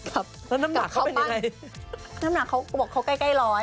แล้วน้ำหนักเขาเป็นยังไงน้ำหนักเขาก็บอกเขาใกล้ใกล้ร้อย